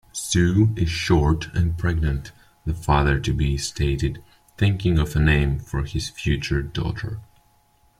"Sue is short and pregnant", the father-to-be stated, thinking of a name for his future daughter.